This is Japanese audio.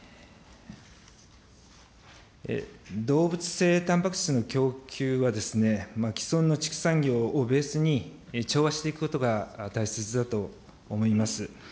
動物性たんぱく質の供給は、既存の畜産業をベースに、調和していくことが大切だと思います。